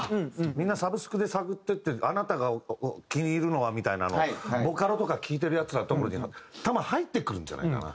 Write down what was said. みんなサブスクで探っていって「あなたが気に入るのは」みたいなのがボカロとか聴いてるヤツらのところにたま入ってくるんじゃないかな。